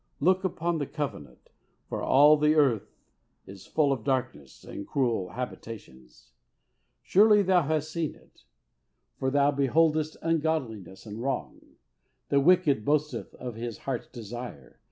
Look upon the Covenant, for all the earth is full of darkness and cruel habitations. Surely Thou hast seen it, for Thou beholdest ungodliness and wrong. The wicked boasteth of his heart's desire.